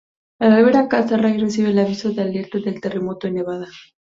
Al volver a casa, Ray recibe el aviso de alerta del terremoto en Nevada.